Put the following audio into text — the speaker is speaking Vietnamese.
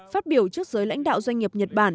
phát biểu trước giới lãnh đạo doanh nghiệp nhật bản